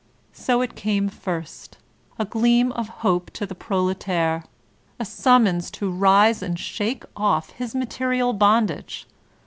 So it came first, — a gleam of hope to the proletaire, a stmimons to rise and shake off his material bondage.